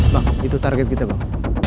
bang itu target kita bang